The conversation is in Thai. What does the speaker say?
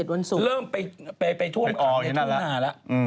๗วันศุกร์เริ่มไปท่วมขังในถุงหน้าแล้ว